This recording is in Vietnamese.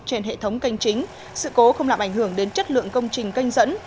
trên hệ thống kênh chính sự cố không làm ảnh hưởng đến chất lượng công trình kênh dẫn